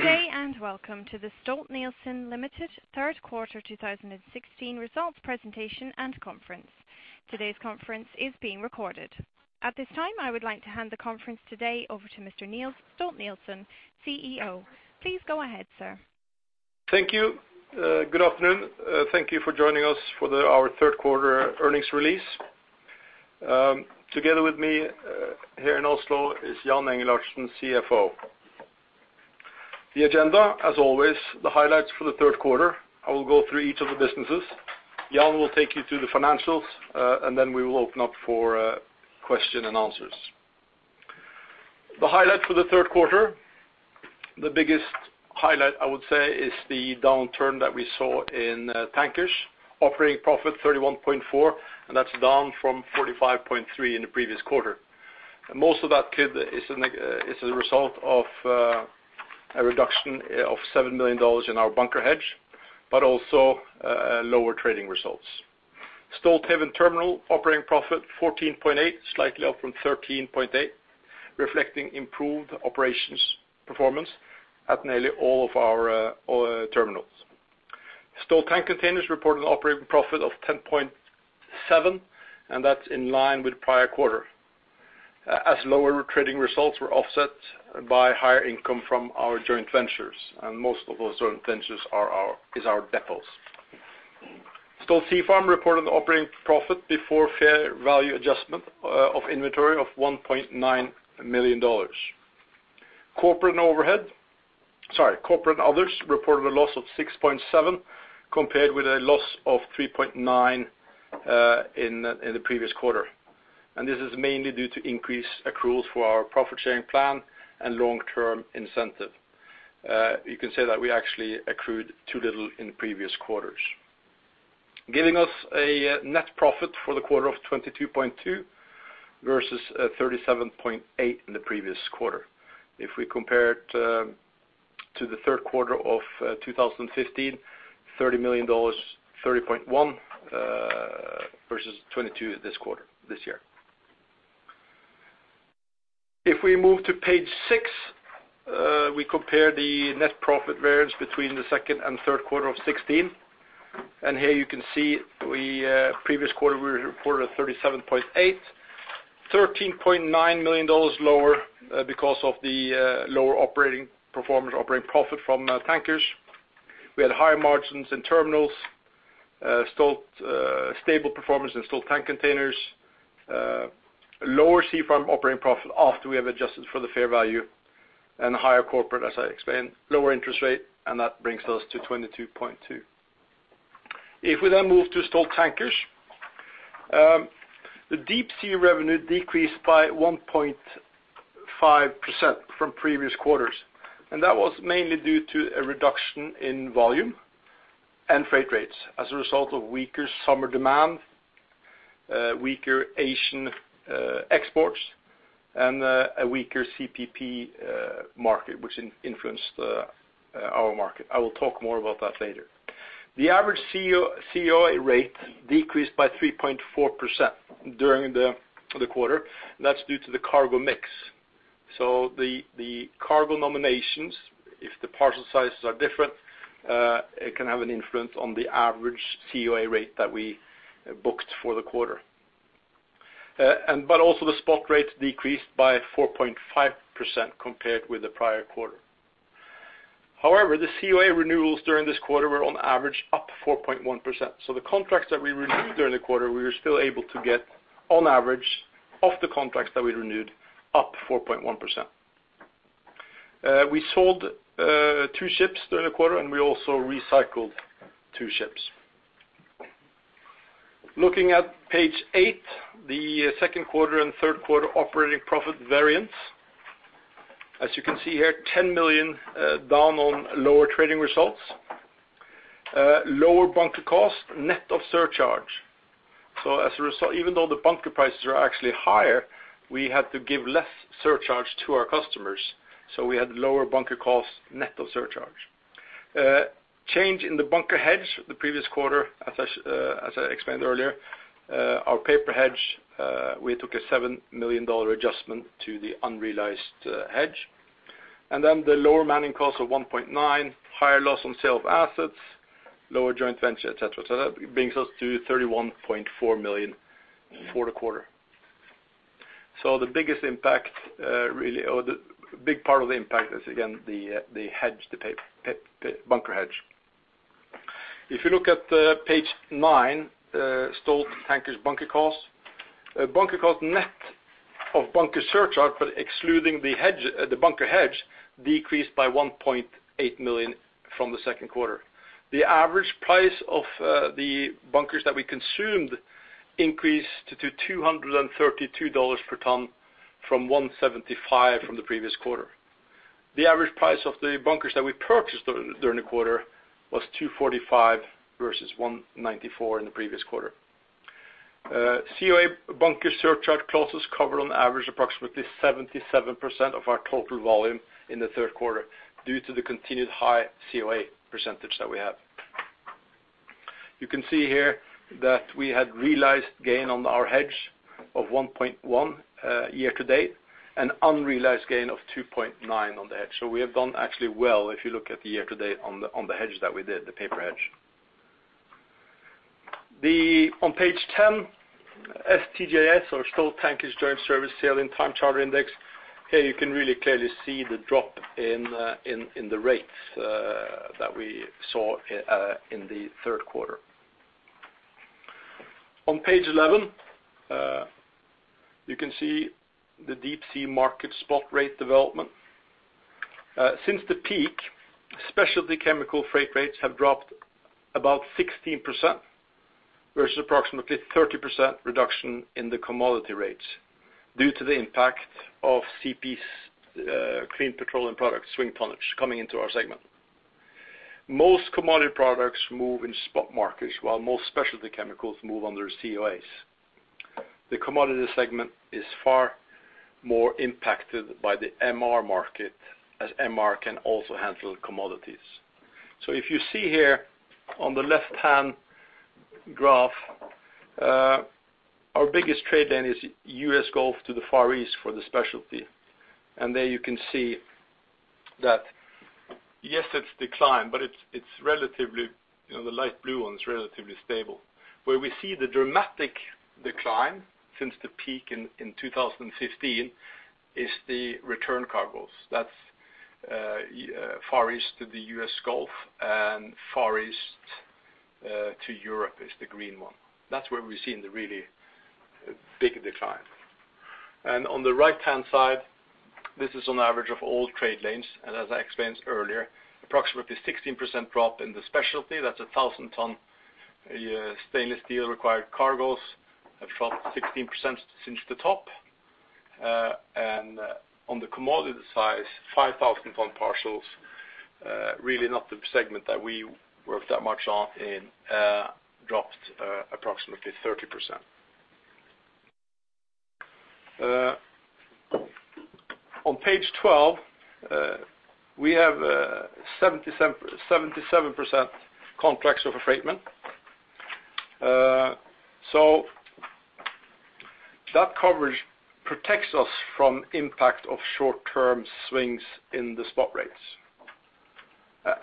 Good day. Welcome to the Stolt-Nielsen Limited third quarter 2016 results presentation and conference. Today's conference is being recorded. At this time, I would like to hand the conference today over to Mr. Niels Stolt-Nielsen, CEO. Please go ahead, sir. Thank you. Good afternoon. Thank you for joining us for our third quarter earnings release. Together with me here in Oslo is Jan Engelhardtsen, CFO. The agenda, as always, the highlights for the third quarter. I will go through each of the businesses. Jan will take you through the financials. Then we will open up for question and answers. The highlights for the third quarter. The biggest highlight, I would say, is the downturn that we saw in Tankers. Operating profit $31.4, and that is down from $35.3 in the previous quarter. Most of that is a result of a reduction of $7 million in our bunker hedge, but also lower trading results. Stolthaven Terminals operating profit $14.8, slightly up from $13.8, reflecting improved operations performance at nearly all of our terminals. Stolt Tank Containers reported an operating profit of $10.7, and that is in line with prior quarter, as lower trading results were offset by higher income from our joint ventures. Most of those joint ventures is our depots. Stolt Sea Farm reported operating profit before fair value adjustment of inventory of $1.9 million. Corporate and Others reported a loss of $6.7, compared with a loss of $3.9 in the previous quarter. This is mainly due to increased accruals for our profit-sharing plan and long-term incentive. You can say that we actually accrued too little in previous quarters. Giving us a net profit for the quarter of $22.2 versus $37.8 in the previous quarter. If we compare it to the third quarter of 2015, $30 million, $30.1 versus $22 this quarter, this year. If we move to page six, we compare the net profit variance between the second and third quarter of 2016. Here you can see previous quarter, we reported $37.8. $13.9 million lower because of the lower operating profit from Tankers. We had higher margins in terminals, stable performance in Stolt Tank Containers, lower Sea Farm operating profit after we have adjusted for the fair value, and higher Corporate, as I explained, lower interest rate. That brings us to $22.2. We move to Stolt Tankers, the deep-sea revenue decreased by 1.5% from previous quarters. That was mainly due to a reduction in volume and freight rates as a result of weaker summer demand, weaker Asian exports, and a weaker CPP market, which influenced our market. I will talk more about that later. The average COA rate decreased by 3.4% during the quarter, that's due to the cargo mix. The cargo nominations, if the parcel sizes are different, it can have an influence on the average COA rate that we booked for the quarter. Also the spot rates decreased by 4.5% compared with the prior quarter. However, the COA renewals during this quarter were on average up 4.1%. The contracts that we renewed during the quarter, we were still able to get, on average, of the contracts that we renewed up 4.1%. We sold two ships during the quarter, and we also recycled two ships. Looking at page eight, the second quarter and third quarter operating profit variance. As you can see here, $10 million down on lower trading results. Lower bunker cost, net of surcharge. As a result, even though the bunker prices are actually higher, we had to give less surcharge to our customers, we had lower bunker costs net of surcharge. Change in the bunker hedge the previous quarter, as I explained earlier our paper hedge we took a $7 million adjustment to the unrealized hedge. The lower manning cost of $1.9 million, higher loss on sale of assets, lower joint venture, et cetera. That brings us to $31.4 million for the quarter. The big part of the impact is again the bunker hedge. If you look at page nine, Stolt Tankers bunker cost. Bunker cost net of bunker surcharge, but excluding the bunker hedge, decreased by $1.8 million from the second quarter. The average price of the bunkers that we consumed increased to $232 per ton from $175 from the previous quarter. The average price of the bunkers that we purchased during the quarter was $245 versus $194 in the previous quarter. COA bunker surcharge clauses cover on average approximately 77% of our total volume in the third quarter due to the continued high COA percentage that we have. You can see here that we had realized gain on our hedge of $1.1 million year to date, and unrealized gain of $2.9 million on the hedge. We have done actually well if you look at the year to date on the hedge that we did, the paper hedge. On page 10, STJS or Stolt Tankers Joint Service Sailed-In Time-Charter Index. Here, you can really clearly see the drop in the rates that we saw in the third quarter. On page 11, you can see the deep sea market spot rate development. Since the peak, specialty chemical freight rates have dropped about 16%, versus approximately 30% reduction in the commodity rates due to the impact of CPPs, Clean Petroleum Products swing tonnage coming into our segment. Most commodity products move in spot markets, while most specialty chemicals move under COAs. The commodity segment is far more impacted by the MR market, as MR can also handle commodities. If you see here on the left hand graph, our biggest trade-in is U.S. Gulf to the Far East for the specialty. There you can see that, yes, it's declined, but the light blue one is relatively stable. Where we see the dramatic decline since the peak in 2015 is the return cargoes. That's Far East to the U.S. Gulf, and Far East to Europe is the green one. That's where we've seen the really big decline. On the right-hand side, this is on average of all trade lanes, and as I explained earlier, approximately 16% drop in the specialty. That's 1,000 ton stainless steel required cargoes have dropped 16% since the top. On the commodity size, 5,000 ton parcels, really not the segment that we work that much on, dropped approximately 30%. On page 12, we have 77% contracts of affreightment. That coverage protects us from impact of short-term swings in the spot rates.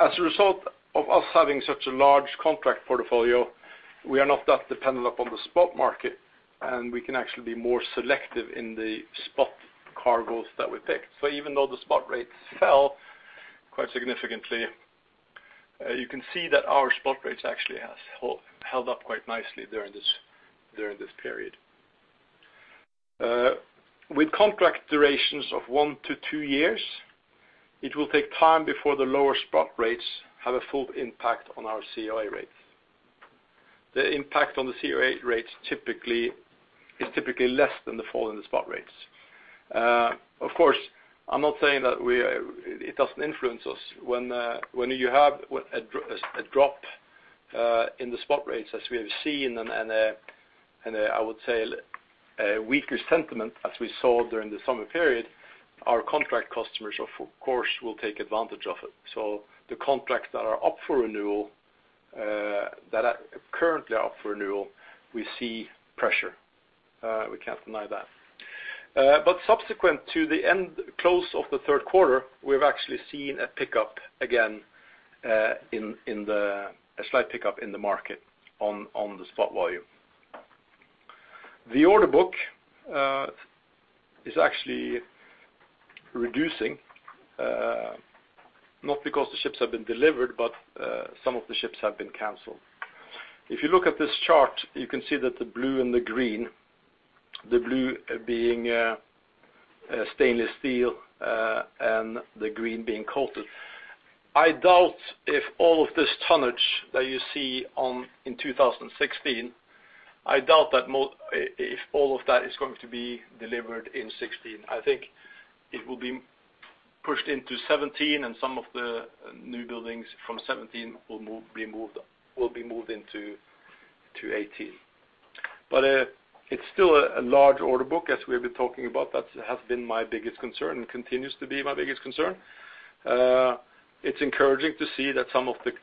As a result of us having such a large contract portfolio, we are not that dependent upon the spot market, and we can actually be more selective in the spot cargoes that we pick. Even though the spot rates fell quite significantly, you can see that our spot rates actually has held up quite nicely during this period. With contract durations of one to two years, it will take time before the lower spot rates have a full impact on our COA rates. The impact on the COA rates is typically less than the fall in the spot rates. Of course, I'm not saying that it doesn't influence us. When you have a drop in the spot rates as we have seen, and I would say a weaker sentiment as we saw during the summer period, our contract customers of course will take advantage of it. The contracts that are up for renewal, that are currently up for renewal, we see pressure. We can't deny that. Subsequent to the end close of the third quarter, we have actually seen a slight pickup in the market on the spot volume. The order book is actually reducing, not because the ships have been delivered, but some of the ships have been canceled. If you look at this chart, you can see that the blue and the green, the blue being stainless steel and the green being coated. I doubt if all of this tonnage that you see in 2016, I doubt if all of that is going to be delivered in 2016. I think it will be pushed into 2017, and some of the new buildings from 2017 will be moved into 2018. It's still a large order book, as we have been talking about. That has been my biggest concern, and continues to be my biggest concern. It's encouraging to see that some of the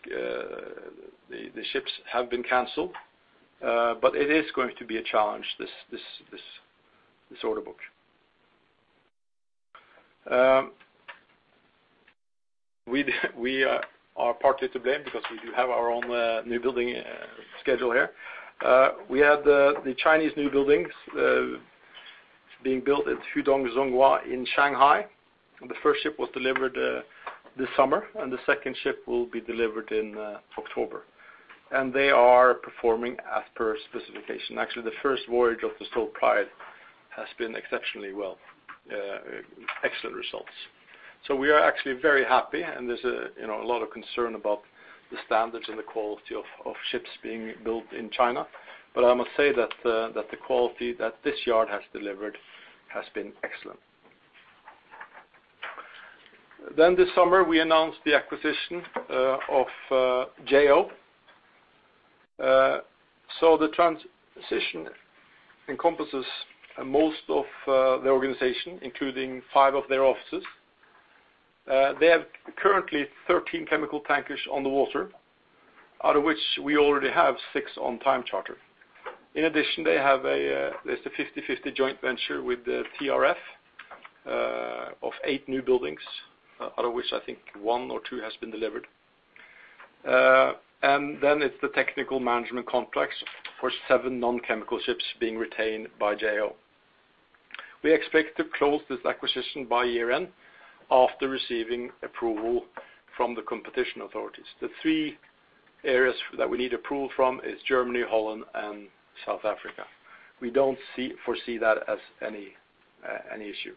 ships have been canceled. It is going to be a challenge, this order book. We are partly to blame because we do have our own new building schedule here. We have the Chinese new buildings being built at Hudong-Zhonghua in Shanghai, and the first ship was delivered this summer, and the second ship will be delivered in October. They are performing as per specification. Actually, the first voyage of the Stolt Pride has been exceptionally well. Excellent results. We are actually very happy, and there's a lot of concern about the standards and the quality of ships being built in China. I must say that the quality that this yard has delivered has been excellent. This summer, we announced the acquisition of JO. The transition encompasses most of the organization, including five of their offices. They have currently 13 chemical tankers on the water, out of which we already have six on time charter. They have a 50/50 joint venture with TRF of 8 new buildings, out of which I think one or two has been delivered. Then it's the technical management complex for 7 non-chemical ships being retained by Jo. We expect to close this acquisition by year-end after receiving approval from the competition authorities. The three areas that we need approval from is Germany, Holland, and South Africa. We don't foresee that as any issue.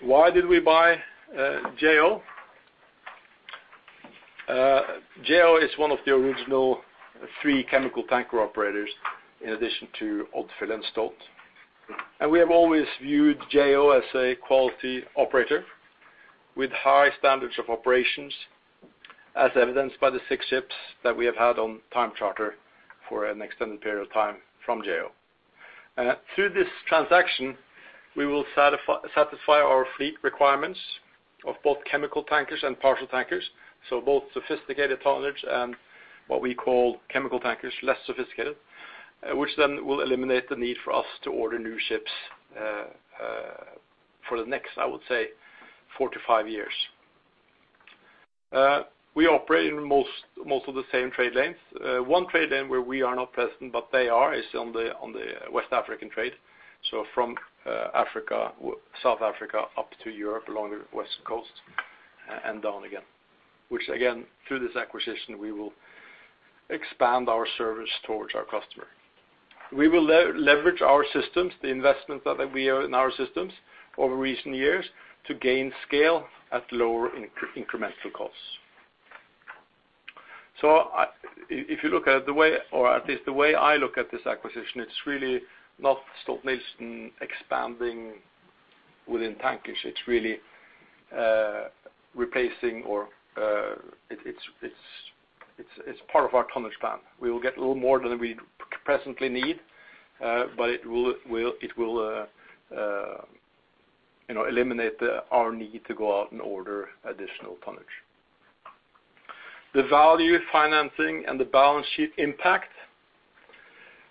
Why did we buy Jo? Jo is one of the original three chemical tanker operators in addition to Odfjell Stolt. We have always viewed Jo as a quality operator with high standards of operations, as evidenced by the 6 ships that we have had on time charter for an extended period of time from Jo. Through this transaction, we will satisfy our fleet requirements of both chemical tankers and partial tankers, so both sophisticated tonnage and what we call chemical tankers, less sophisticated, which then will eliminate the need for us to order new ships for the next, I would say, 4 to 5 years. We operate in most of the same trade lanes. One trade lane where we are not present, but they are, is on the West African trade. From South Africa up to Europe along the West Coast and down again, which again, through this acquisition, we will expand our service towards our customer. We will leverage our systems, the investment that we are in our systems over recent years to gain scale at lower incremental costs. If you look at the way, or at least the way I look at this acquisition, it's really not Stolt-Nielsen expanding within tankers. It's really replacing or it is part of our tonnage plan. We will get a little more than we presently need, but it will eliminate our need to go out and order additional tonnage. The value financing and the balance sheet impact.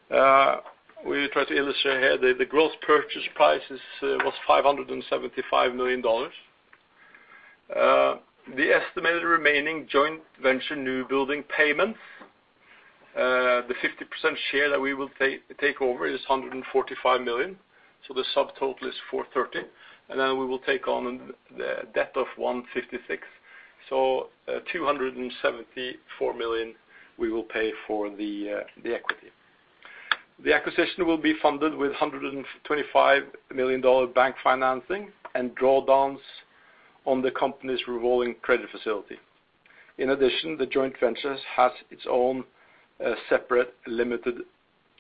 We try to illustrate here the gross purchase price was $575 million. The estimated remaining joint venture new building payments, the 50% share that we will take over is $145 million. The subtotal is $430, then we will take on the debt of $156. $274 million we will pay for the equity. The acquisition will be funded with $125 million bank financing and drawdowns on the company's revolving credit facility. The joint ventures has its own separate limited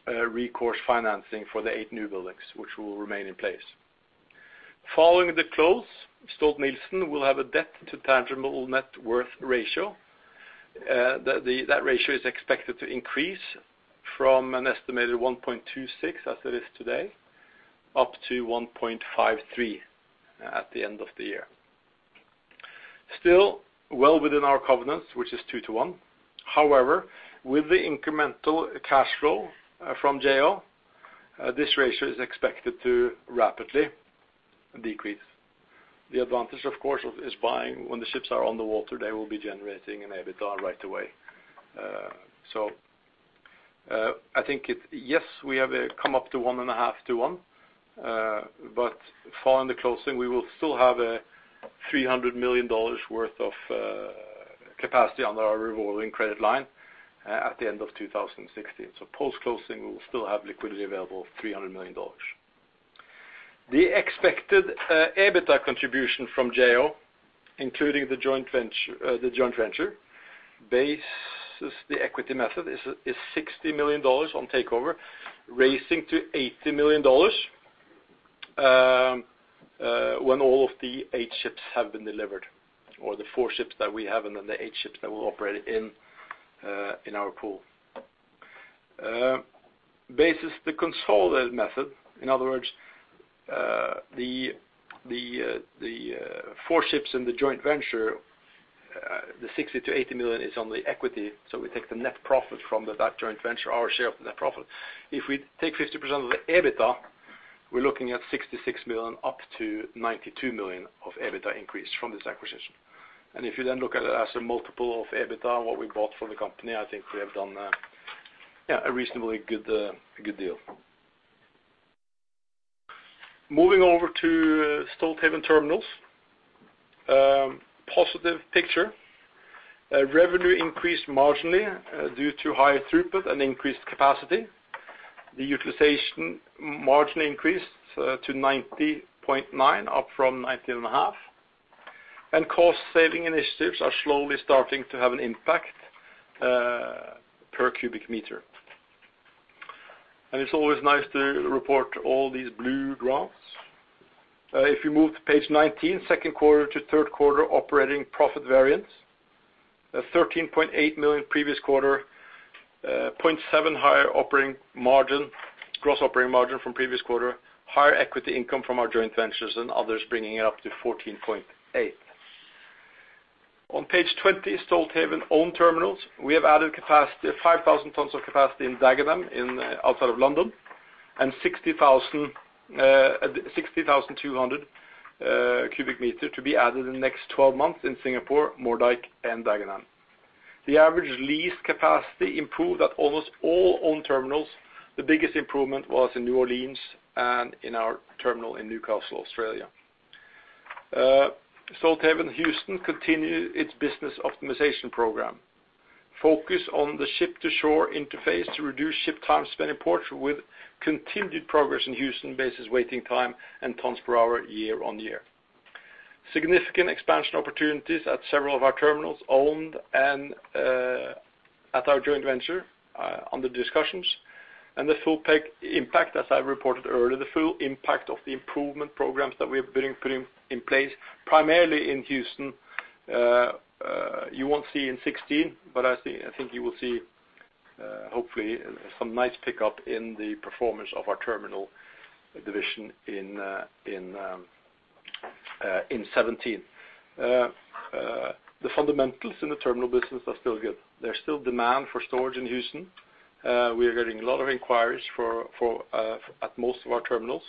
recourse financing for the 8 new buildings, which will remain in place. Following the close, Stolt-Nielsen will have a debt to tangible net worth ratio. That ratio is expected to increase from an estimated 1.26 as it is today, up to 1.53 at the end of the year. Still well within our covenant, which is 2 to 1. With the incremental cash flow from Jo, this ratio is expected to rapidly decrease. The advantage, of course, is buying when the ships are on the water, they will be generating an EBITDA right away. I think, yes, we have come up to 1.5 to 1, but following the closing, we will still have a $300 million worth of capacity under our revolving credit line at the end of 2016. Post-closing, we will still have liquidity available of $300 million. The expected EBITDA contribution from Jo, including the joint venture, bases the equity method is $60 million on takeover, raising to $80 million, when all of the 8 ships have been delivered or the 4 ships that we have and then the 8 ships that will operate in our pool. Bases the consolidated method. In other words, the 4 ships in the joint venture, the $60 to $80 million is on the equity. So we take the net profit from that joint venture, our share of the net profit. If we take 50% of the EBITDA, we are looking at $66 million up to $92 million of EBITDA increase from this acquisition. And if you then look at it as a multiple of EBITDA, what we bought from the company, I think we have done a reasonably good deal. Moving over to Stolthaven Terminals. Positive picture. Revenue increased marginally due to higher throughput and increased capacity. The utilization marginally increased to 90.9, up from 90.5. And cost saving initiatives are slowly starting to have an impact per cubic meter. It is always nice to report all these blue graphs. If you move to page 19, second quarter to third quarter operating profit variance. $13.8 million previous quarter, $0.7 higher gross operating margin from previous quarter. Higher equity income from our joint ventures and others bringing it up to $14.8. On page 20, Stolthaven owned terminals. We have added 5,000 tons of capacity in Dagenham outside of London, and 60,200 cubic meter to be added in the next 12 months in Singapore, Moerdijk, and Dagenham. The average lease capacity improved at almost all owned terminals. The biggest improvement was in New Orleans and in our terminal in Newcastle, Australia. Stolthaven Houston continue its business optimization program. Focus on the ship-to-shore interface to reduce ship time spent in ports with continued progress in Houston-based waiting time and tons per hour year-on-year. Significant expansion opportunities at several of our terminals owned and at our joint venture under discussions. The full impact, as I reported earlier, the full impact of the improvement programs that we have been putting in place primarily in Houston, you will not see in 2016, but I think you will see, hopefully, some nice pickup in the performance of our terminal division in 2017. The fundamentals in the terminal business are still good. There is still demand for storage in Houston. We are getting a lot of inquiries at most of our terminals,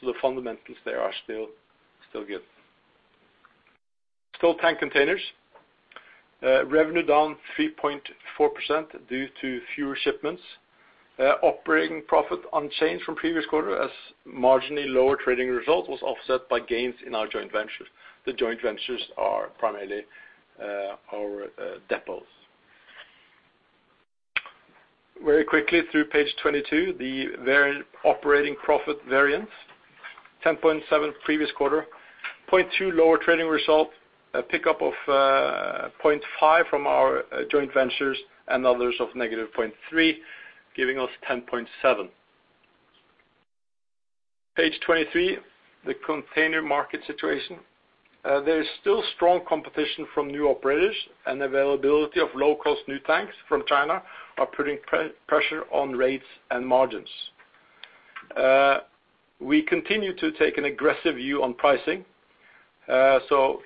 so the fundamentals there are still good. Stolt Tank Containers. Revenue down 3.4% due to fewer shipments. Operating profit unchanged from previous quarter as marginally lower trading result was offset by gains in our joint ventures. The joint ventures are primarily our depots. Very quickly through page 22, the operating profit variance. $10.7 previous quarter, $0.2 lower trading result, a pickup of $0.5 from our joint ventures and others of negative $0.3, giving us $10.7. Page 23, the container market situation. There is still strong competition from new operators and availability of low-cost new tanks from China are putting pressure on rates and margins. We continue to take an aggressive view on pricing. So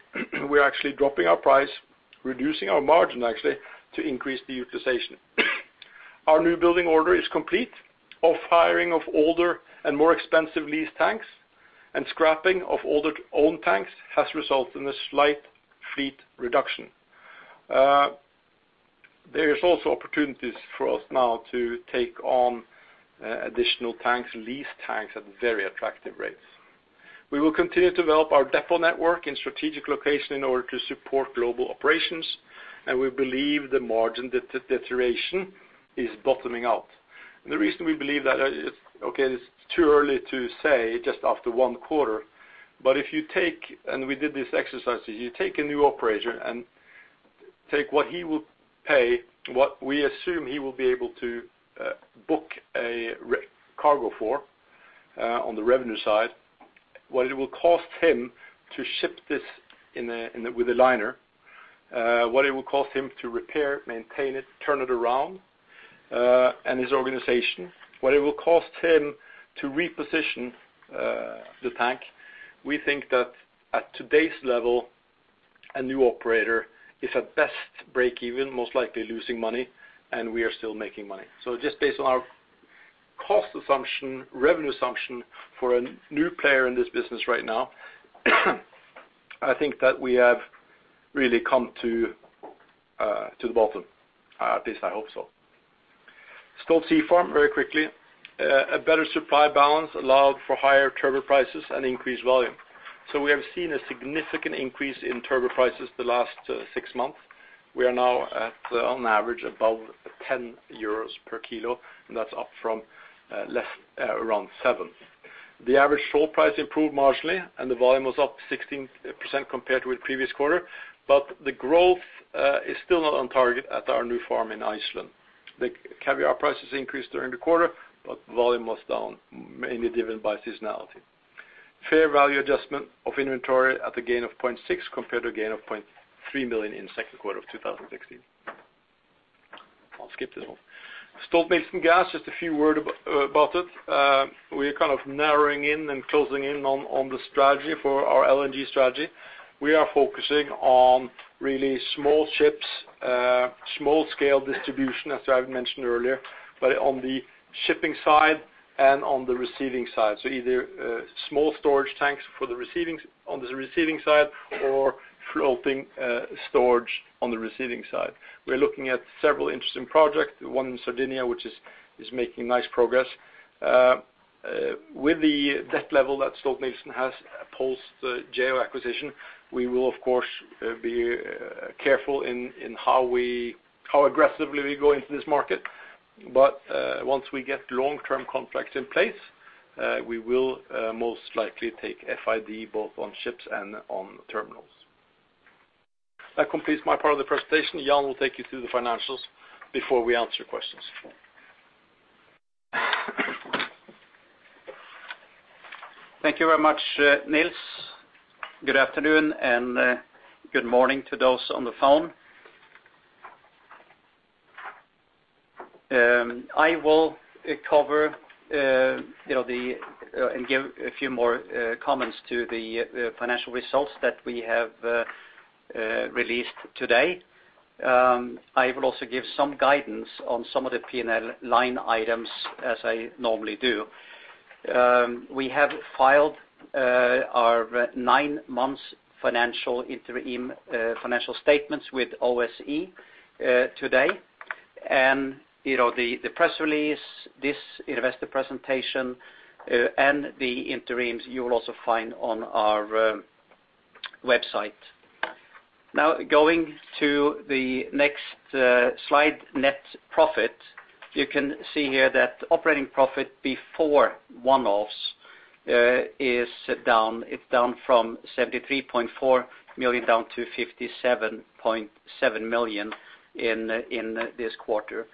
we are actually dropping our price, reducing our margin actually, to increase the utilization. Our new building order is complete. Off hiring of older and more expensive lease tanks and scrapping of older owned tanks has resulted in a slight fleet reduction. There is also opportunities for us now to take on additional tanks, lease tanks at very attractive rates. We will continue to develop our depot network in strategic location in order to support global operations. We believe the margin deterioration is bottoming out. The reason we believe that, okay, it's too early to say just after one quarter, but if you take, and we did this exercise, if you take a new operator and take what he will pay, what we assume he will be able to book a cargo for on the revenue side. What it will cost him to ship this with a liner. What it will cost him to repair, maintain it, turn it around, and his organization. What it will cost him to reposition the tank. We think that at today's level, a new operator is at best break even, most likely losing money, and we are still making money. Just based on our cost assumption, revenue assumption for a new player in this business right now, I think that we have really come to the bottom. At least I hope so. Stolt Sea Farm, very quickly. A better supply balance allowed for higher turbot prices and increased volume. We have seen a significant increase in turbot prices the last six months. We are now at on average above 10 euros per kilo, and that's up from around seven. The average sale price improved marginally, and the volume was up 16% compared with previous quarter, but the growth is still not on target at our new farm in Iceland. The caviar prices increased during the quarter, but volume was down, mainly driven by seasonality. Fair value adjustment of inventory at a gain of 0.6 compared to a gain of $0.3 million in second quarter of 2016. I'll skip this one. Stolt-Nielsen Gas, just a few word about it. We are kind of narrowing in and closing in on the strategy for our LNG strategy. We are focusing on really small ships, small scale distribution as I've mentioned earlier, but on the shipping side and on the receiving side. Either small storage tanks on the receiving side or floating storage on the receiving side. We are looking at several interesting projects, one in Sardinia, which is making nice progress. With the debt level that Stolt-Nielsen has post the JO acquisition, we will of course be careful in how aggressively we go into this market. Once we get long-term contracts in place, we will most likely take FID both on ships and on terminals. That completes my part of the presentation. Jan will take you through the financials before we answer questions. Thank you very much, Niels. Good afternoon, and good morning to those on the phone. I will cover and give a few more comments to the financial results that we have released today. I will also give some guidance on some of the P&L line items as I normally do. We have filed our nine months financial statements with OSE today. The press release, this investor presentation, and the interims, you will also find on our website. Going to the next slide, net profit. You can see here that operating profit before one-offs is down. It is down from $73.4 million, down to $57.7 million in this quarter.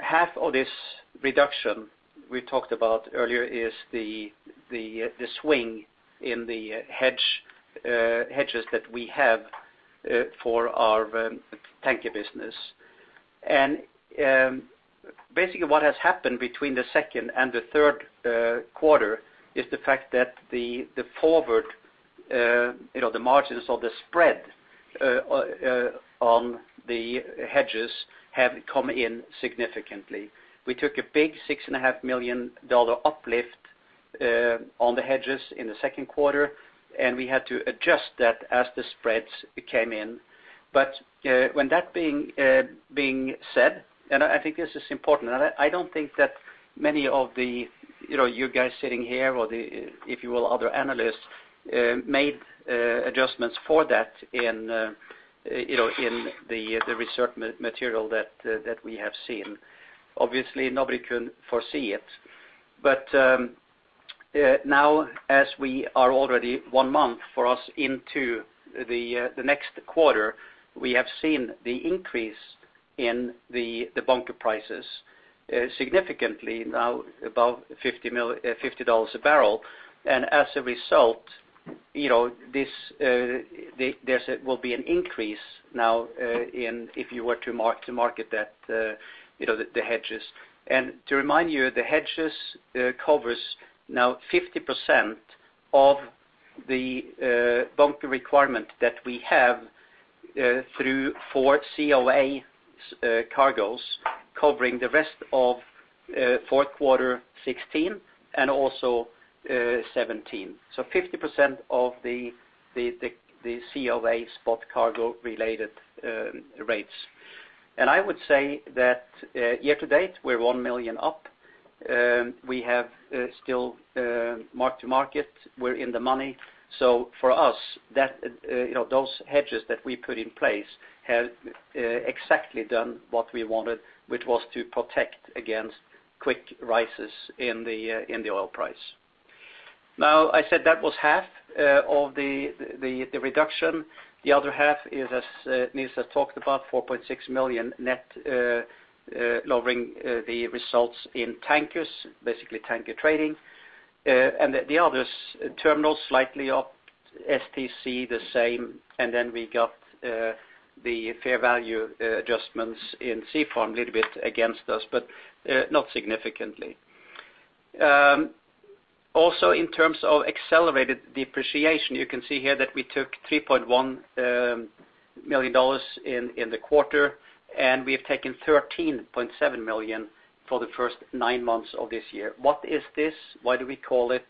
Half of this reduction we talked about earlier is the swing in the hedges that we have for our tanker business. Basically what has happened between the second and the third quarter is the fact that the forward, the margins or the spread on the hedges have come in significantly. We took a big $6.5 million uplift on the hedges in the second quarter, and we had to adjust that as the spreads came in. When that being said, I think this is important, I do not think that many of you guys sitting here or, if you will, other analysts, made adjustments for that in the research material that we have seen. Obviously, nobody can foresee it. Now as we are already one month for us into the next quarter, we have seen the increase in the bunker prices significantly, now above $50 a barrel. As a result, there will be an increase now if you were to market the hedges. To remind you, the hedges covers now 50% of the bunker requirement that we have through four COA cargoes covering the rest of fourth quarter 2016 and also 2017. 50% of the COA spot cargo-related rates. I would say that year-to-date, we are $1 million up. We have still mark-to-market. We are in the money. For us, those hedges that we put in place have exactly done what we wanted, which was to protect against quick rises in the oil price. I said that was half of the reduction. The other half is, as Niels has talked about, $4.6 million net, lowering the results in tankers, basically tanker trading. The others, terminals slightly up, STC the same, and then we got the fair value adjustments in Stolt Sea Farm a little bit against us, but not significantly. Also, in terms of accelerated depreciation, you can see here that we took $3.1 million in the quarter, and we have taken $13.7 million for the first nine months of this year. What is this? Why do we call it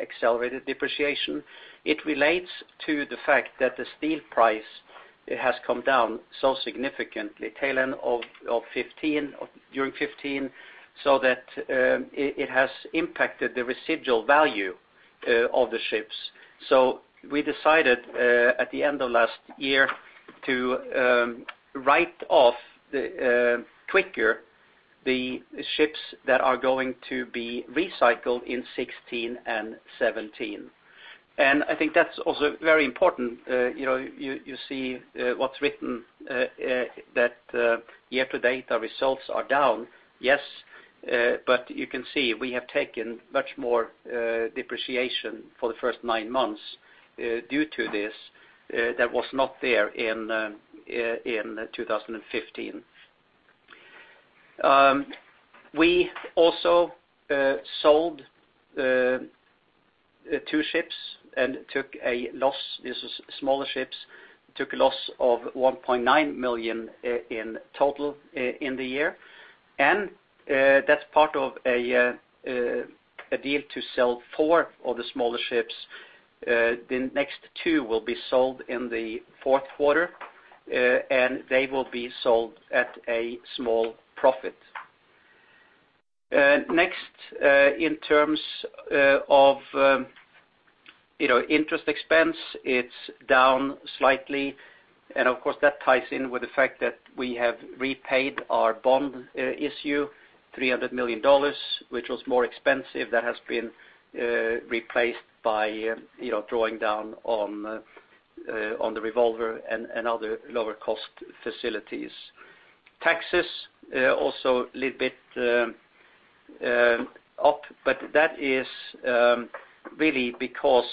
accelerated depreciation? It relates to the fact that the steel price has come down so significantly tail end of 2015, during 2015, so that it has impacted the residual value of the ships. We decided at the end of last year to write off quicker the ships that are going to be recycled in 2016 and 2017. I think that is also very important. You see what is written, that year-to-date our results are down. Yes, you can see we have taken much more depreciation for the first nine months due to this that was not there in 2015. We also sold two ships and took a loss. These were smaller ships, took a loss of $1.9 million in total in the year. That's part of a deal to sell four of the smaller ships. The next two will be sold in the fourth quarter, and they will be sold at a small profit. In terms of interest expense, it's down slightly. Of course, that ties in with the fact that we have repaid our bond issue, $300 million, which was more expensive. That has been replaced by drawing down on the revolver and other lower-cost facilities. Taxes are also a little bit up, but that is really because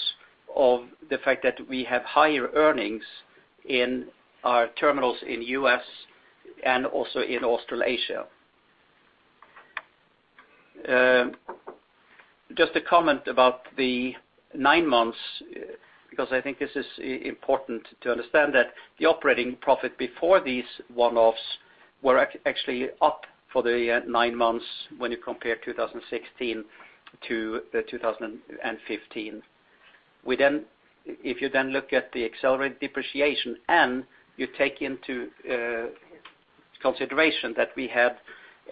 of the fact that we have higher earnings in our terminals in the U.S. and also in Australasia. Just a comment about the nine months, because I think this is important to understand that the operating profit before these one-offs were actually up for the nine months when you compare 2016 to 2015. If you then look at the accelerated depreciation, you take into consideration that we had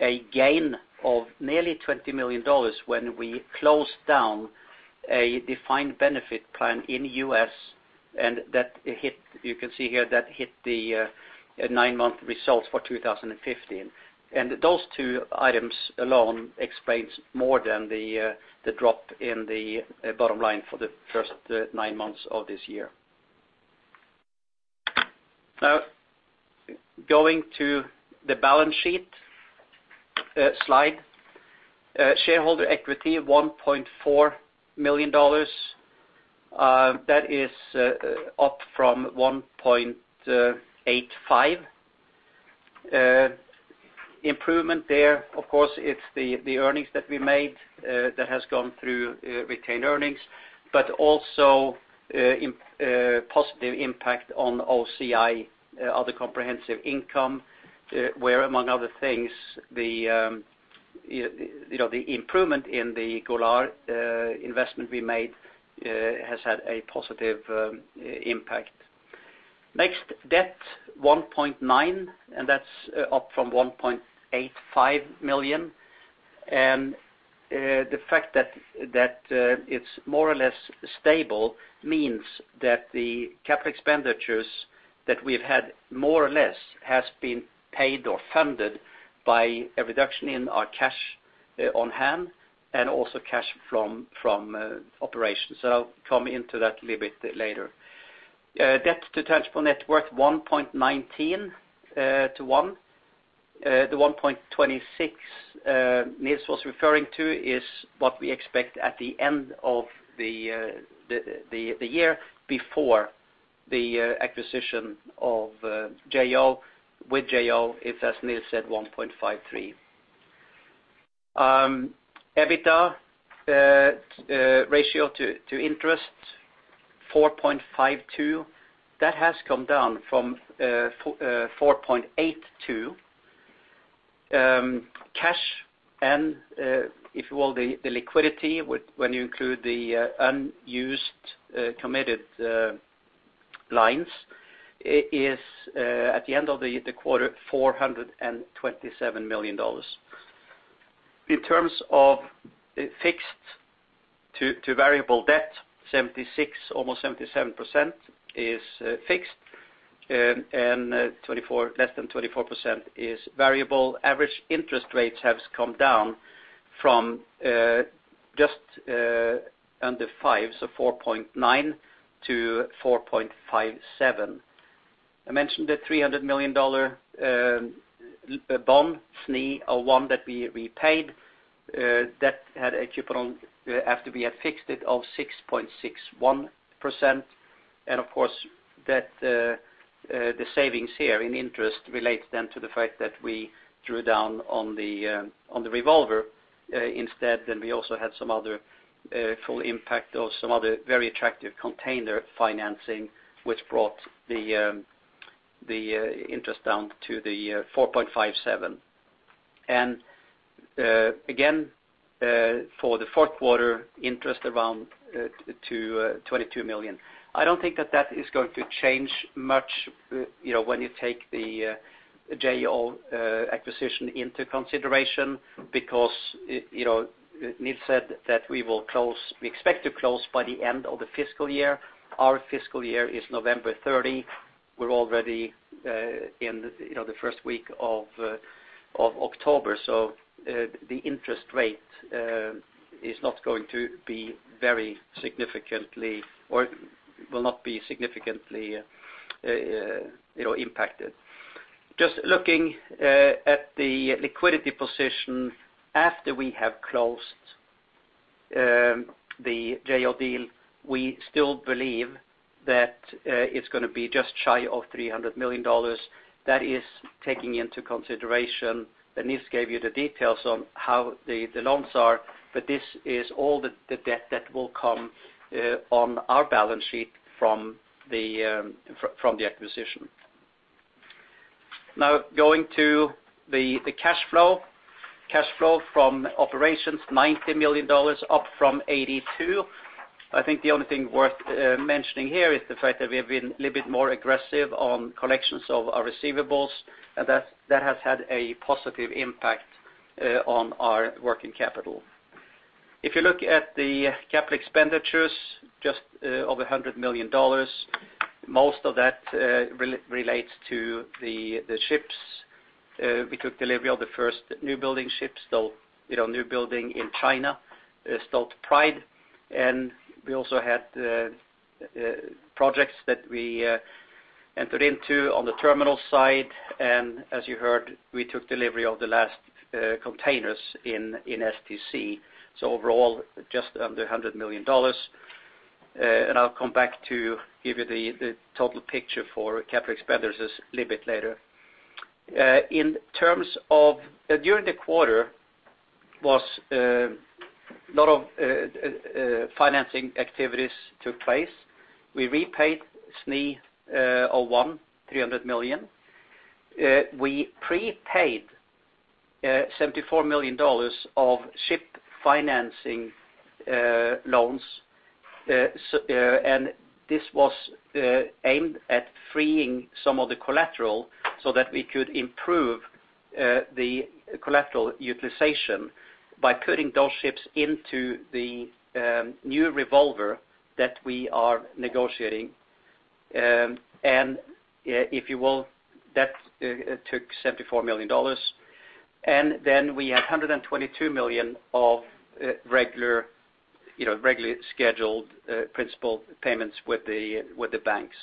a gain of nearly $20 million when we closed down a defined benefit plan in the U.S., you can see here that hit the nine-month results for 2015. Those two items alone explains more than the drop in the bottom line for the first nine months of this year. Going to the balance sheet slide. Shareholder equity, $1.4 billion. That is up from $1.85 billion. Improvement there, of course, it's the earnings that we made that has gone through retained earnings, but also a positive impact on OCI, other comprehensive income, where, among other things, the improvement in the Golar investment we made has had a positive impact. Debt, $1.9 billion, and that's up from $1.85 billion. The fact that it's more or less stable means that the capital expenditures that we've had more or less has been paid or funded by a reduction in our cash on hand and also cash from operations. I'll come into that a little bit later. Debt to tangible net worth, 1.19 to 1. The 1.26 Niels was referring to is what we expect at the end of the year before the acquisition of Jo Tankers. With Jo Tankers, it's, as Niels said, 1.53. EBITDA ratio to interest, 4.52. That has come down from 4.82. Cash and, if you will, the liquidity, when you include the unused committed lines, is at the end of the quarter, $427 million. In terms of fixed to variable debt, 76%, almost 77% is fixed, and less than 24% is variable. Average interest rates have come down from just under five, so 4.9 to 4.57. I mentioned the $300 million bond, one that we paid. That had a coupon, after we had fixed it, of 6.61%. Of course, the savings here in interest relates then to the fact that we drew down on the revolver instead. We also had some other full impact of some other very attractive container financing, which brought the interest down to the 4.57. Again, for the fourth quarter, interest around $22 million. I don't think that that is going to change much when you take the Jo acquisition into consideration because Niels said that we expect to close by the end of the fiscal year. Our fiscal year is November 30. We are already in the first week of October. The interest rate will not be significantly impacted. Just looking at the liquidity position after we have closed the Jo deal, we still believe that it is going to be just shy of $300 million. That is taking into consideration, and Niels gave you the details on how the loans are, but this is all the debt that will come on our balance sheet from the acquisition. Going to the cash flow. Cash flow from operations, $90 million, up from $82 million. I think the only thing worth mentioning here is the fact that we have been a little bit more aggressive on collections of our receivables, that has had a positive impact on our working capital. If you look at the capital expenditures, just over $100 million, most of that relates to the ships. We took delivery of the first new building ship, new building in China, Stolt Pride. We also had projects that we entered into on the terminal side, and as you heard, we took delivery of the last containers in STC. Overall, just under $100 million. I will come back to give you the total picture for capital expenditures a little bit later. During the quarter, a lot of financing activities took place. We repaid SNI01, $300 million. We prepaid $74 million of ship financing loans, this was aimed at freeing some of the collateral so that we could improve the collateral utilization by putting those ships into the new revolver that we are negotiating. If you will, that took $74 million. Then we had $122 million of regularly scheduled principal payments with the banks.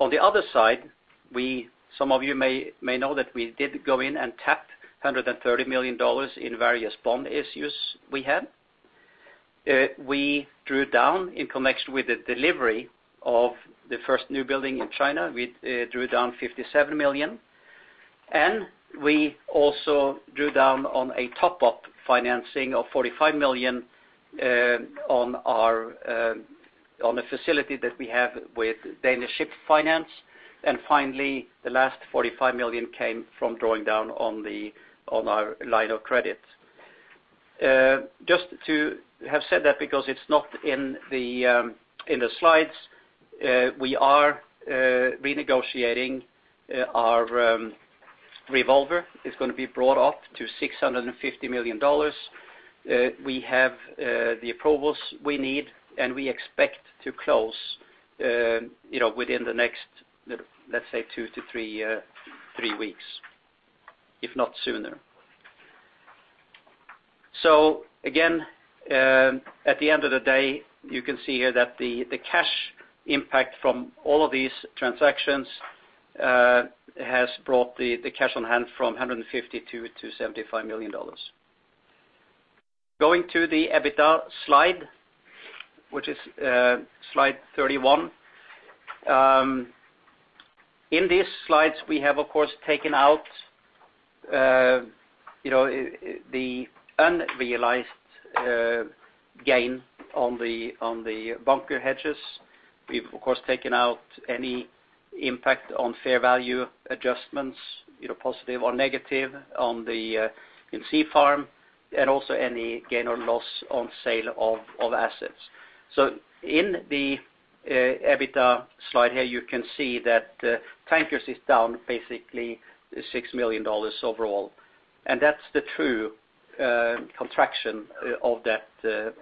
On the other side, some of you may know that we did go in and tapped $130 million in various bond issues we had. We drew down in connection with the delivery of the first new building in China, we drew down $57 million. We also drew down on a top-up financing of $45 million on a facility that we have with Danish Ship Finance. Finally, the last $45 million came from drawing down on our line of credit. Just to have said that because it is not in the slides, we are renegotiating our revolver. It is going to be brought up to $650 million. We have the approvals we need, and we expect to close within the next, let's say two to three weeks, if not sooner. Again, at the end of the day, you can see here that the cash impact from all of these transactions has brought the cash on hand from $150 million to $275 million. Going to the EBITDA slide, which is slide 31. In these slides, we have, of course, taken out the unrealized gain on the bunker hedges. We have, of course, taken out any impact on fair value adjustments, positive or negative in Stolt Sea Farm, also any gain or loss on sale of assets. In the EBITDA slide here, you can see that Stolt Tankers is down basically $6 million overall. That's the true contraction of the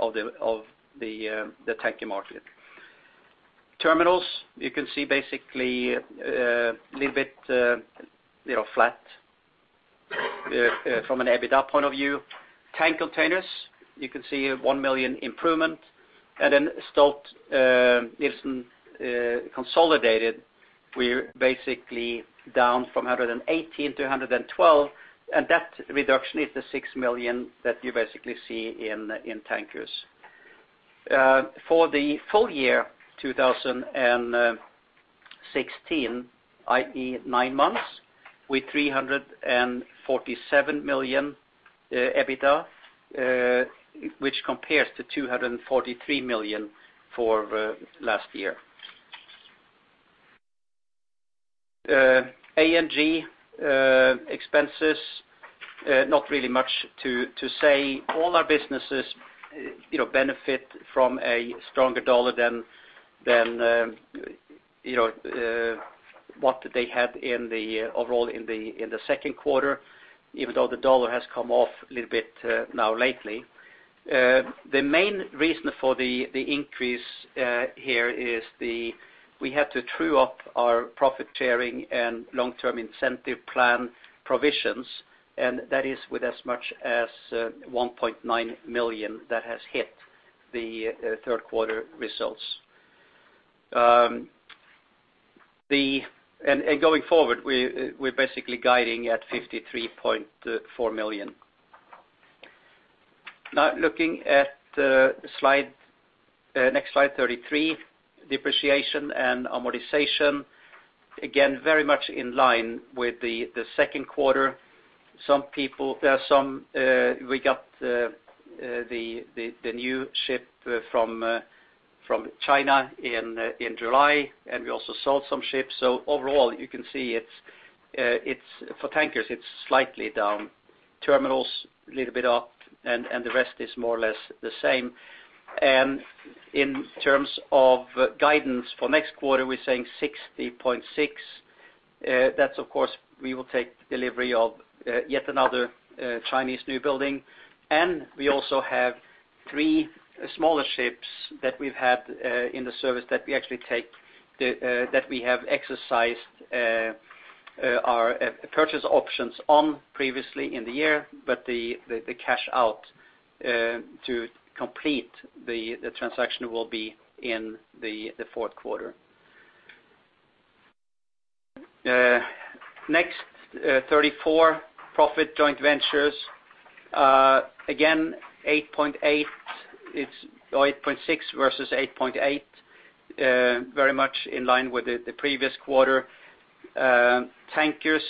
tanker market. Terminals, you can see basically a little bit flat from an EBITDA point of view. Tank Containers, you can see a $1 million improvement. Stolt-Nielsen consolidated, we're basically down from 118 to 112, and that reduction is the $6 million that you basically see in Tankers. For the full year 2016, i.e., nine months with $347 million EBITDA, which compares to $243 million for last year. A&G expenses, not really much to say. All our businesses benefit from a stronger dollar than what they had overall in the second quarter, even though the dollar has come off a little bit now lately. The main reason for the increase here is we had to true up our profit sharing and long-term incentive plan provisions, and that is with as much as $1.9 million that has hit the third quarter results. Going forward, we're basically guiding at $53.4 million. Looking at the next slide 33, depreciation and amortization. Again, very much in line with the second quarter. We got the new ship from China in July. We also sold some ships. Overall, you can see for Tankers, it's slightly down. Terminals, a little bit up. The rest is more or less the same. In terms of guidance for next quarter, we're saying $60.6. That's, of course, we will take delivery of yet another Chinese new building. We also have three smaller ships that we've had in the service that we have exercised our purchase options on previously in the year, but the cash out to complete the transaction will be in the fourth quarter. Slide 34 profit joint ventures. Again, $8.6 versus $8.8, very much in line with the previous quarter. Tankers,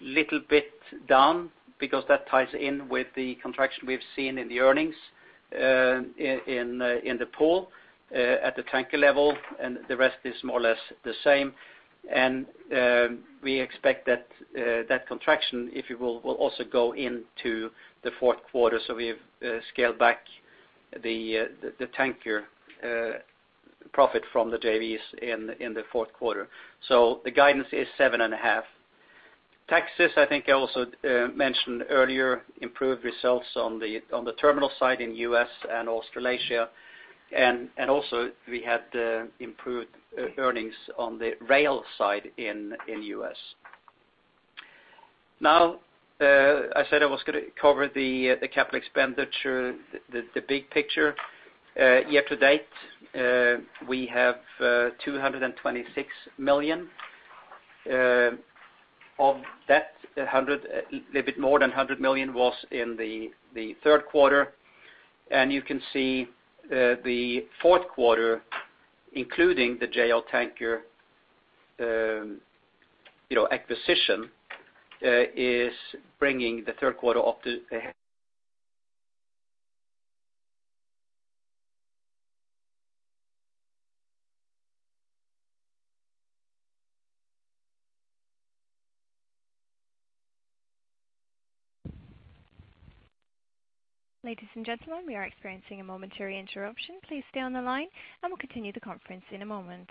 little bit down because that ties in with the contraction we've seen in the earnings in the pool at the tanker level. The rest is more or less the same. We expect that contraction, if you will also go into the fourth quarter, so we've scaled back the tanker profit from the JVs in the fourth quarter. The guidance is $7.5. Taxes, I think I also mentioned earlier, improved results on the terminal side in U.S. and Australasia. We had improved earnings on the rail side in U.S. I said I was going to cover the capital expenditure, the big picture. Year to date, we have $226 million. Of that, a little bit more than $100 million was in the third quarter. You can see the fourth quarter, including the Jo Tanker acquisition, is bringing the third quarter up to. Ladies and gentlemen, we are experiencing a momentary interruption. Please stay on the line and we'll continue the conference in a moment.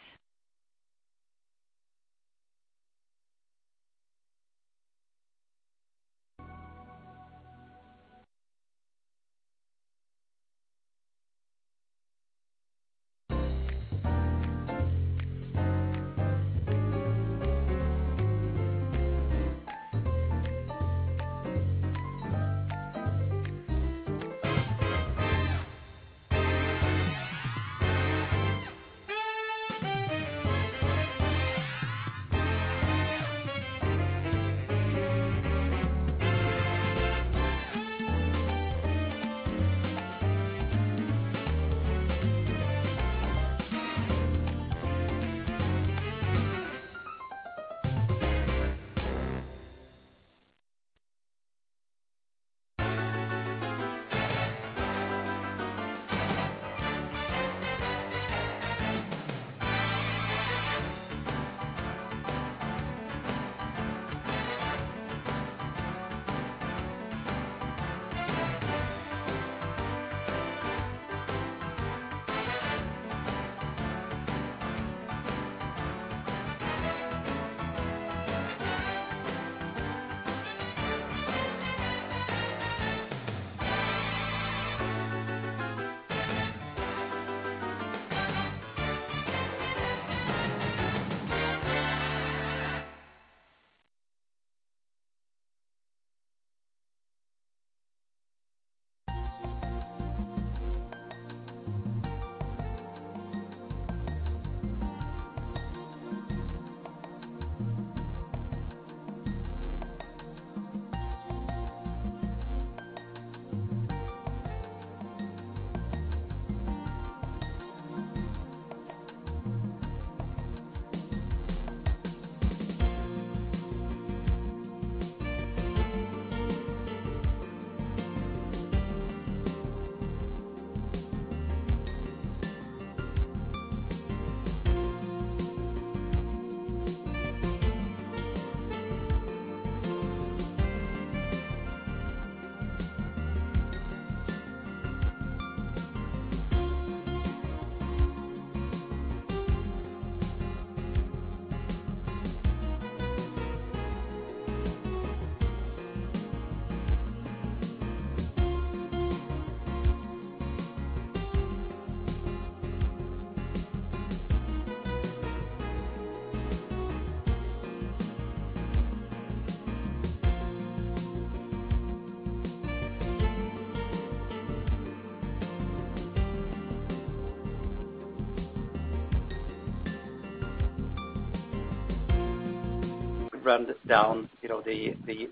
Run down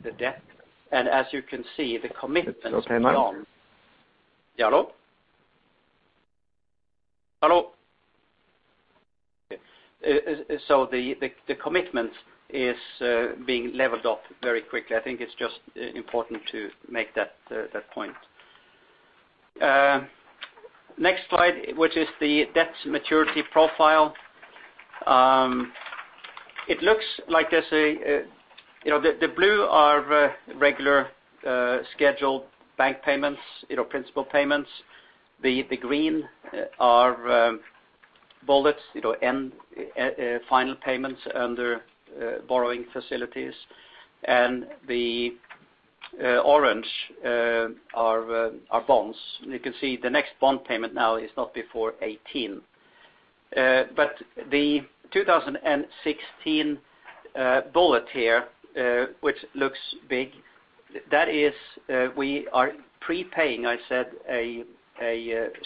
the debt. As you can see, the commitment. Okay, now. Jaro? Hello? The commitment is being leveled up very quickly. I think it's just important to make that point. Next slide, which is the debt maturity profile. The blue are regular scheduled bank payments, principal payments. The green are bullets, end final payments under borrowing facilities, and the orange are bonds. You can see the next bond payment now is not before 2018. The 2016 bullet here which looks big, that is, we are prepaying, I said, a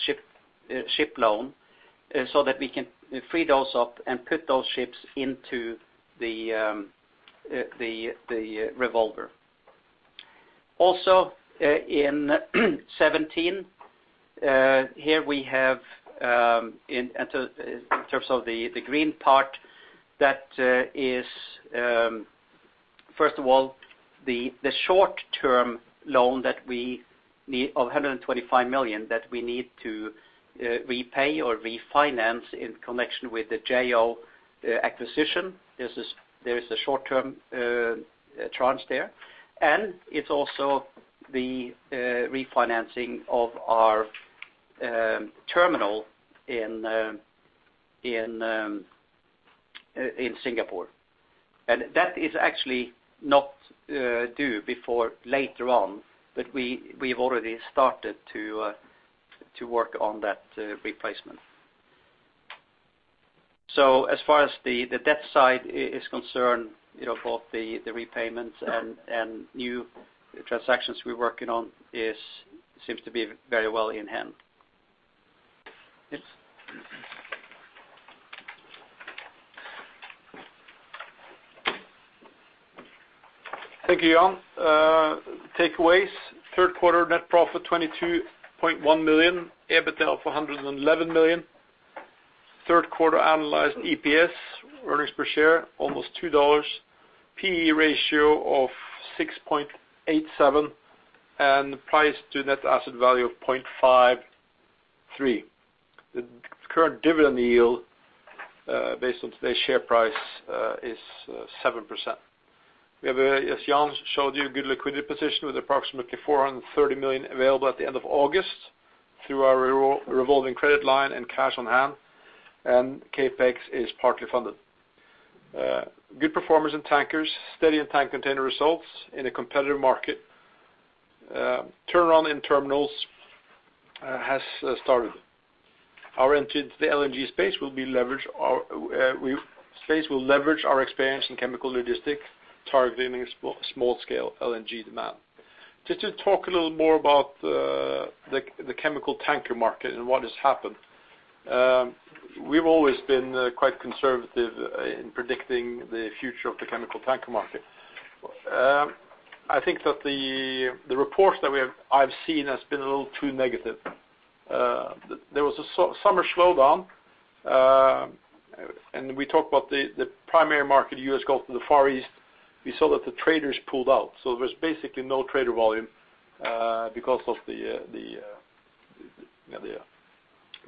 ship loan so that we can free those up and put those ships into the revolver. In 2017, here we have in terms of the green part, that is, first of all, the short-term loan of $125 million that we need to repay or refinance in connection with the JL acquisition. There is a short-term tranche there, and it's also the refinancing of our terminal in Singapore. That is actually not due before later on. We've already started to work on that replacement. As far as the debt side is concerned, both the repayments and new transactions we're working on seems to be very well in hand. Yes. Thank you, Jan. Takeaways. Third quarter net profit, $22.1 million. EBITDA of $111 million. Third quarter analyzed EPS, earnings per share, almost $2. P/E ratio of 6.87 and price to net asset value of 0.53. The current dividend yield, based on today's share price, is 7%. We have, as Jan showed you, good liquidity position with approximately $430 million available at the end of August through our revolving credit line and cash on hand, and CapEx is partly funded. Good performance in Tankers, steady in tank container results in a competitive market. Turnaround in Terminals has started. Our entry into the LNG space will leverage our experience in chemical logistics, targeting small scale LNG demand. Just to talk a little more about the chemical tanker market and what has happened. We've always been quite conservative in predicting the future of the chemical tanker market. I think that the reports that I've seen has been a little too negative. There was a summer slowdown. We talked about the primary market, U.S. Gulf to the Far East. We saw that the traders pulled out. There was basically no trader volume, because the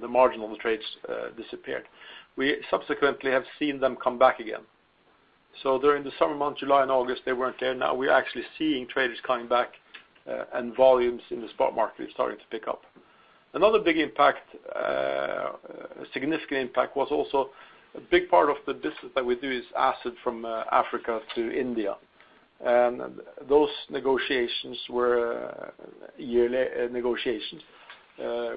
margin on the trades disappeared. We subsequently have seen them come back again. During the summer months, July and August, they weren't there. Now we're actually seeing traders coming back. Volumes in the spot market is starting to pick up. Another significant impact was also a big part of the business that we do is acid from Africa to India. Those yearly negotiations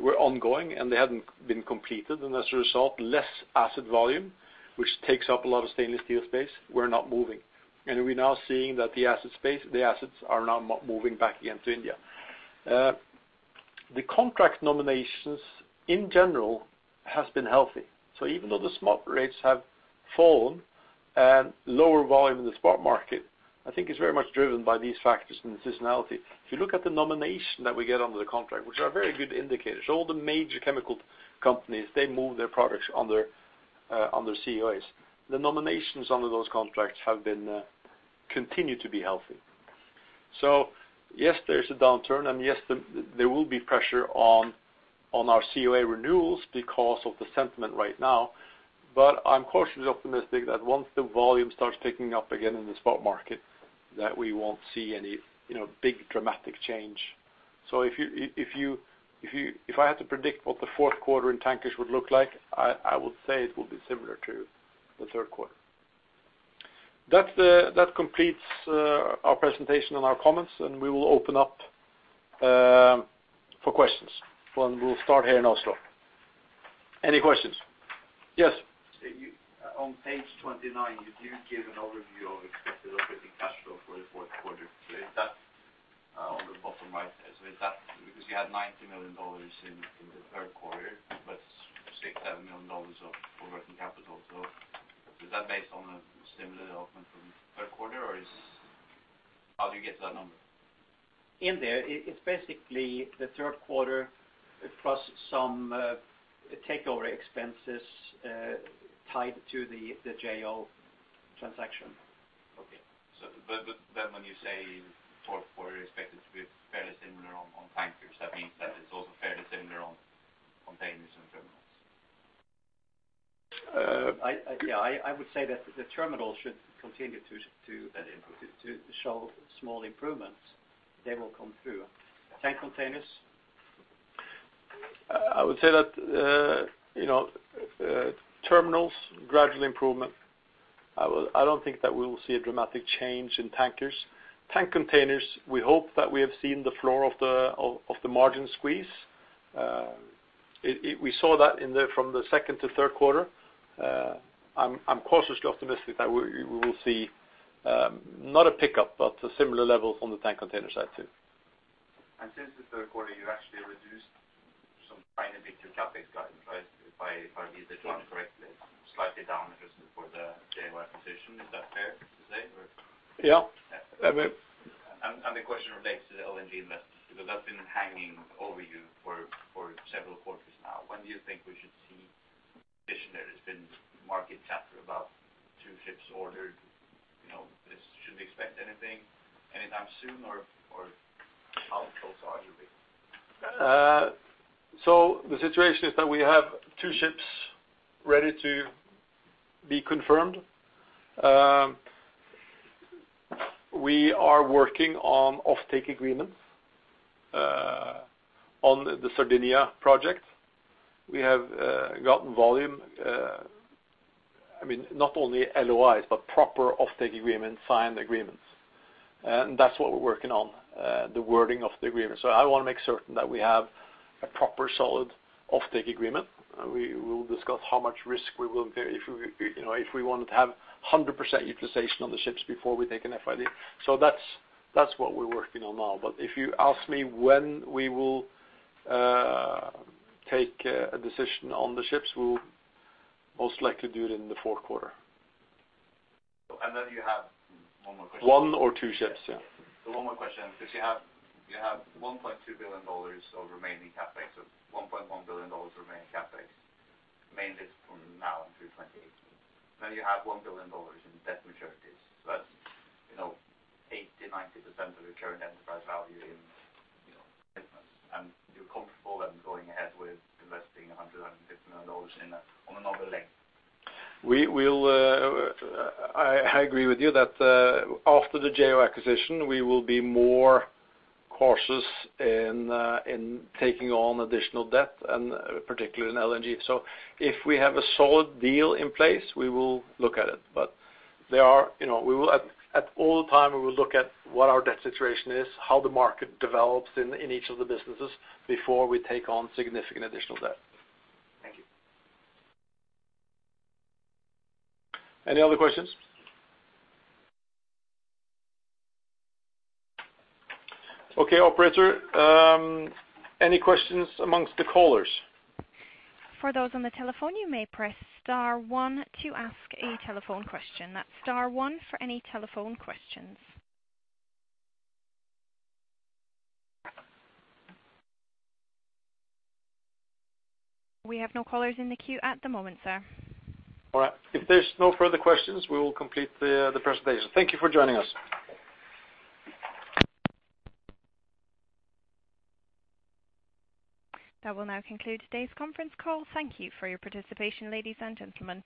were ongoing, and they hadn't been completed. As a result, less acid volume, which takes up a lot of stainless steel space, were not moving. We're now seeing that the acids are now moving back again to India. The contract nominations in general has been healthy. Even though the spot rates have fallen and lower volume in the spot market, I think it's very much driven by these factors and seasonality. If you look at the nomination that we get under the contract, which are very good indicators, all the major chemical companies, they move their products on their COAs. The nominations under those contracts continue to be healthy. Yes, there's a downturn, and yes, there will be pressure on our COA renewals because of the sentiment right now. I'm cautiously optimistic that once the volume starts picking up again in the spot market, that we won't see any big dramatic change. If I had to predict what the fourth quarter in tankers would look like, I would say it will be similar to the third quarter. That completes our presentation and our comments, and we will open up for questions, and we will start here in Oslo. Any questions? Yes. On page 29, you do give an overview of expected operating cash flow for the fourth quarter. Is that on the bottom right there. Because you had $90 million in the third quarter, but $67 million of working capital. Is that based on a similar outcome from third quarter, or how do you get to that number? In there, it's basically the third quarter plus some takeover expenses tied to the Jo transaction. Okay. When you say fourth quarter is expected to be fairly similar on tankers, that means that it's also fairly similar on containers and terminals. I would say that the terminal should continue to show small improvements They will come through. Stolt Tank Containers? I would say that Stolthaven Terminals, gradual improvement. I don't think that we will see a dramatic change in Stolt Tankers. Stolt Tank Containers, we hope that we have seen the floor of the margin squeeze. We saw that from the second to third quarter. I'm cautiously optimistic that we will see not a pickup, but similar levels on the Stolt Tank Containers side, too. Since the third quarter, you actually reduced some final bit to CapEx guidance, right? If I read the chart correctly, slightly down just for the JV position. Is that fair to say, or? Yeah. The question relates to the LNG investments, because that's been hanging over you for several quarters now. When do you think we should see addition? There has been market chatter about two ships ordered, should we expect anything anytime soon or how close are you being? The situation is that we have two ships ready to be confirmed. We are working on off take agreements on the Sardinia project. We have gotten volume, not only LOIs, but proper off take agreements, signed agreements. That's what we're working on, the wording of the agreement. I want to make certain that we have a proper solid off take agreement. We will discuss how much risk we will bear if we wanted to have 100% utilization on the ships before we take an FID. That's what we're working on now. If you ask me when we will take a decision on the ships, we will most likely do it in the fourth quarter. You have one more question. One or two ships, yeah. One more question, because you have $1.2 billion of remaining CapEx, $1.1 billion remaining CapEx, mainly from now through 2018. You have $1 billion in debt maturities. That's 80%-90% of the current enterprise value in business. You're comfortable then going ahead with investing $100 million, $150 million in on another leg. I agree with you that after the Jo acquisition, we will be more cautious in taking on additional debt and particularly in LNG. If we have a solid deal in place, we will look at it. But at all time, we will look at what our debt situation is, how the market develops in each of the businesses before we take on significant additional debt. Thank you. Any other questions? Okay, operator, any questions amongst the callers? For those on the telephone, you may press star one to ask a telephone question. That's star one for any telephone questions. We have no callers in the queue at the moment, sir. All right. If there's no further questions, we will complete the presentation. Thank you for joining us. That will now conclude today's conference call. Thank you for your participation, ladies and gentlemen.